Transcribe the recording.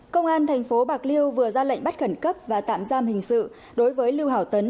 công an thành phố bạc liêu vừa ra lệnh bắt khẩn cấp và tạm giam hình sự đối với lưu hảo tấn